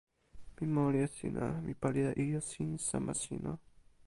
mi moli e sina. mi pali e ijo sin sama sina.